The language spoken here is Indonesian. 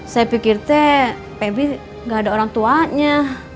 saya pikir teh pepi nggak ada orang tuanya